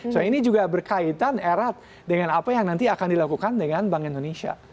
so ini juga berkaitan erat dengan apa yang nanti akan dilakukan dengan bank indonesia